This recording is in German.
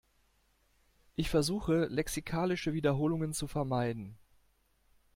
Ich versuche, lexikalische Wiederholungen zu vermeiden.